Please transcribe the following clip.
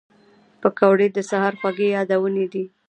پکورې د سهر خوږې یادونې دي